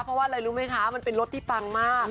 เพราะว่าอะไรรู้ไหมคะมันเป็นรถที่ปังมาก